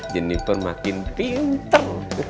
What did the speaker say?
jeniper makin pinter